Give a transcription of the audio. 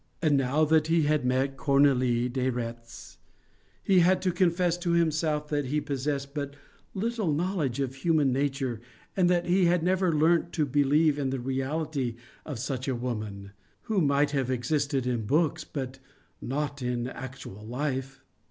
And, now that he had met Cornélie de Retz, he had to confess to himself that he possessed but little knowledge of human nature and that he had never learnt to believe in the reality of such a woman, who might have existed in books, but not in actual life.